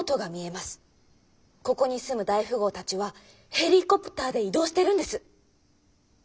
ここに住む大富豪たちはヘリコプターで移動してるんです。